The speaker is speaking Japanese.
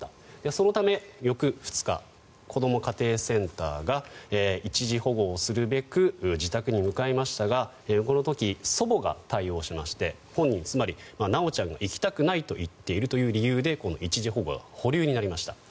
そのため、翌２日こども家庭センターが一時保護をするべく自宅に向かいましたがこの時、祖母が対応しまして本人、つまり修ちゃんが行きたくないと言っているという理由でこの一時保護は保留になりました。